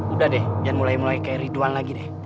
udah deh jangan mulai mulai kayak riduan lagi deh